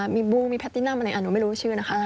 มีบูมีแพตตินัมอะไรหนูไม่รู้ชื่อนะคะ